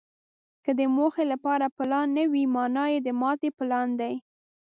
که د موخې لپاره پلان نه وي، مانا یې د ماتې پلان دی.